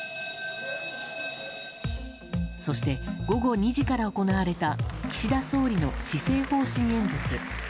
そして、午後２時から行われた岸田総理の施政方針演説。